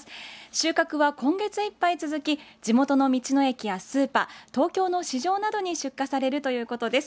収穫は今月いっぱい続き地元の道の駅やスーパー東京の市場などに出荷されるということです。